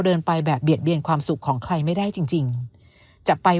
เดินไปแบบเบียดเบียนความสุขของใครไม่ได้จริงจริงจะไป